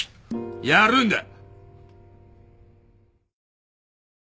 やるんだ。